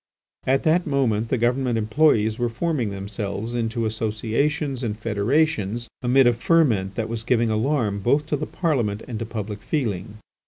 At that moment the government employees were forming themselves into associations and federations amid a ferment that was giving alarm both to the Parliament and to public feeling.